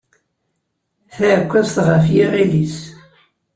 Taɛekkazt ɣef yiɣil-is.